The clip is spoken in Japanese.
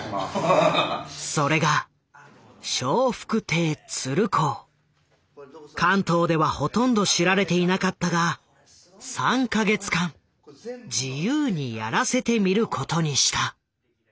それが関東ではほとんど知られていなかったが３か月間自由にやらせてみることにした。